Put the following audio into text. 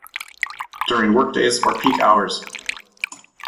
During workdays or peak hours.